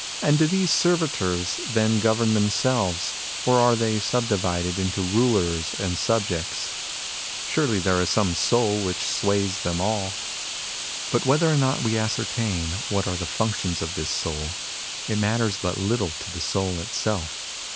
And do these servitors then govern themselves, or are they subdivided into rulers "and subjects ? Surely there is some soul which sways them all. " But whether or not we ascertain what are the functions of this soul, it matters but little to the soul itself.